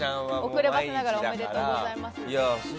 遅ればせながらおめでとうございます。